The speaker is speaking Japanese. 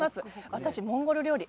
私はモンゴル料理